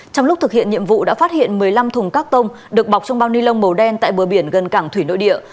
trong lúc thực hiện nhiệm vụ đã phát hiện một mươi năm thùng các tông được bọc trong bao ni lông màu đen tại bờ biển gần cảng thủy nội địa